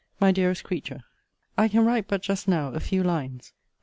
MY DEAREST CREATURE, I can write but just now a few lines.